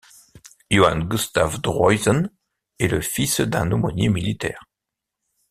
Johann Gustav Droysen est le fils d'un aumônier militaire.